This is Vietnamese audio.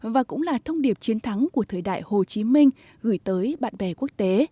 và cũng là thông điệp chiến thắng của thời đại hồ chí minh gửi tới bạn bè quốc tế